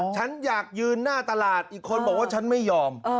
ฉันอยากยืนหน้าตลาดอีกคนบอกว่าฉันไม่ยอม